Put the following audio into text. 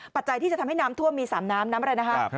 ปัจจัยที่จะทำให้น้ำท่วมมี๓น้ำน้ำอะไรนะครับ